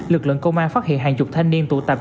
lực lượng công an phát hiện hàng chục thanh niên tụ tập